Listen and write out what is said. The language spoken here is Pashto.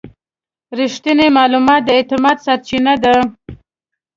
رښتینی معلومات د اعتماد سرچینه ده.